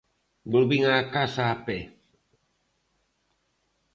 Volvín á casa a pé.